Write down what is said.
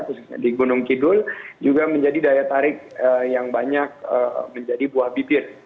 khususnya di gunung kidul juga menjadi daya tarik yang banyak menjadi buah bibir